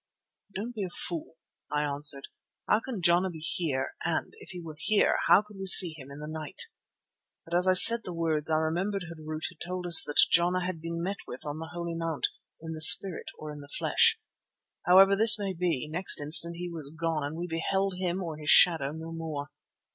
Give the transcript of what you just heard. "Don't be a fool," I answered. "How can Jana be here and, if he were here, how could we see him in the night?" But as I said the words I remembered Harût had told us that Jana had been met with on the Holy Mount "in the spirit or in the flesh." However this may be, next instant he was gone and we beheld him or his shadow no more.